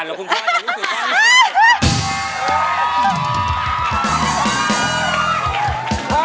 หรือคุณพ่อจะรู้สึกว่า